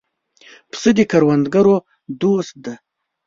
پسه د کروندګرو دوست دی.